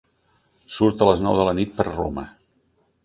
Surt a les nou de la nit per Roma.